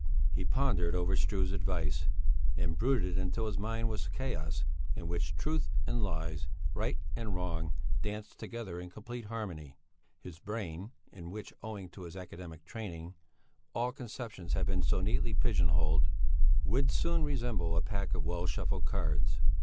He pondered over Struve's advice, and brooded until his mind was chaos in which truth and lies, right and wrong, danced together in complete harmony; his brain in which, owing to his academic training, all conceptions had been so neatly pigeon holed, would soon resemble a pack of well shuffled cards.